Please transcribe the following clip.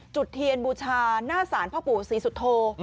จุดเทียนบูชาหน้าศาลพ่อปู่ศรีสุโธ